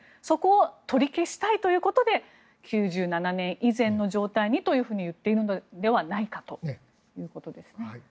そこを取り消したいということで９７年以前の状態にと言っているのではないかということですね。